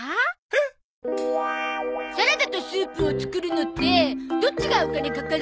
サラダとスープを作るのってどっちがお金かかるの？